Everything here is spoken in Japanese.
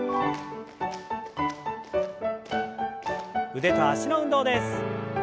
腕と脚の運動です。